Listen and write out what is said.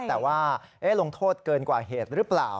แต่ว่าลงโทษเกินกว่าเหตุหรือเปล่า